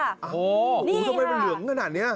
ทำไมมันเหลืองขนาดนี้